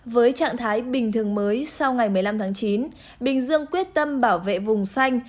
với trạng thái bình thường mới sau ngày một mươi năm tháng chín bình dương quyết tâm bảo vệ vùng xanh